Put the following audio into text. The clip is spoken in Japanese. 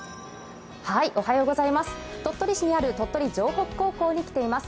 鳥取市にある鳥取城北高校に来ています。